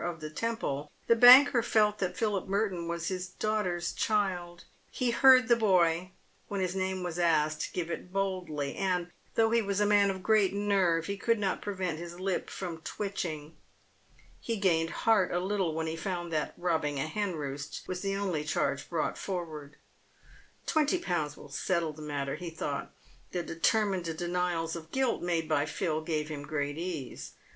of the Temple, the banker felt that Philip Merton was his daughter's child. He heard the boy, when his name was asked, give it boldly, and, though he was a man of great nerve, he could not prevent his lip from twitching. He gained heart a little when he found that robbing a henroost was the only charge brought forward. " Twenty pounds will settle the matter," he thought. The determined denials of guilt made by Phil gave him great ease.